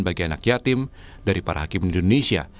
bagi anak yatim dari para hakim di indonesia